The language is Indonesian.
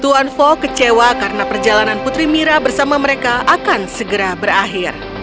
tuan fo kecewa karena perjalanan putri mira bersama mereka akan segera berakhir